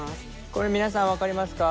これ皆さん分かりますか？